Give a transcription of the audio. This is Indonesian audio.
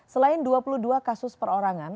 selain dua puluh dua kasus perorangan